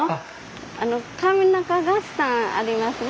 あの上中ガスさんありますね